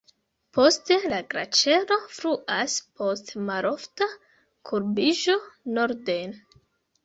Poste la glaĉero fluas post malforta kurbiĝo norden.